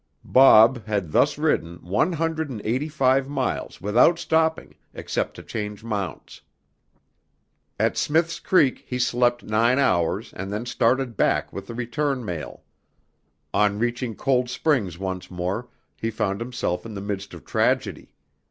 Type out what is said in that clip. "Bob" had thus ridden one hundred and eighty five miles without stopping except to change mounts. At Smith's Creek he slept nine hours and then started back with the return mail. On reaching Cold Springs once more, he found himself in the midst of tragedy.